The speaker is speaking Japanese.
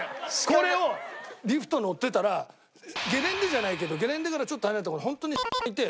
これをリフト乗ってたらゲレンデじゃないけどゲレンデからちょっと離れた所に本当にいて。